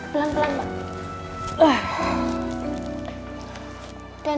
pelan pelan mbak